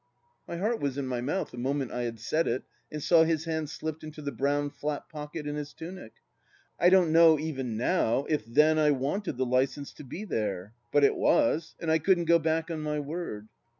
My heart was in my mouth the moment I had said it and saw his hand slipped into the brown flap pocket in his tunic. I don't know even now if then I wanted the licence to be there ? But it was, and I couldn't go back on my word.